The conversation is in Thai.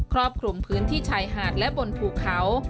รอบคลุมพื้นที่ชายหาดและบนภูเขา